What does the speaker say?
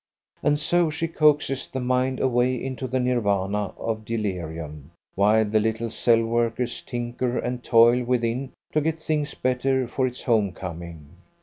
And so she coaxes the mind away into the Nirvana of delirium, while the little cell workers tinker and toil within to get things better for its homecoming.